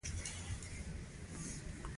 موږ ټولې ګزارې په دقت کارولې دي.